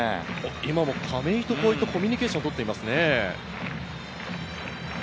今も亀井とコミュニケーションを取っていますね。